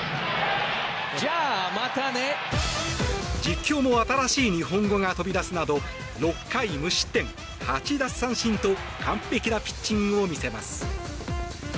実況も新しい日本語が飛び出すなど６回無失点８奪三振と完璧なピッチングを見せます。